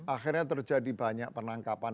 akhirnya terjadi banyak penangkapan